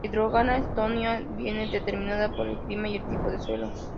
La hidrografía estonia viene determinada por el clima y el tipo de suelo.